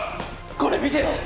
これ見てよ！